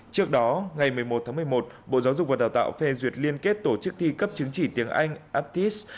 trước đó ngày một mươi một tháng một mươi một bộ giáo dục và đào tạo phê duyệt liên kết tổ chức thi cấp chứng chỉ tiếng anh aptis